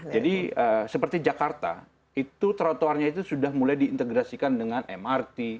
jadi seperti jakarta trotoarnya itu sudah mulai diintegrasikan dengan mrt